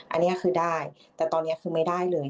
อันนี้คือได้แต่ตอนนี้คือไม่ได้เลย